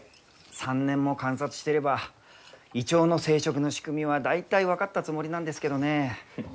３年も観察してればイチョウの生殖の仕組みは大体分かったつもりなんですけどね。